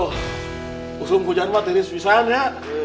hujung hujan banget ini suhisan ya